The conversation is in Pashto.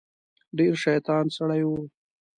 ډیر شیطان سړی و.